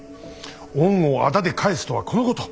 恩を仇で返すとはこのこと。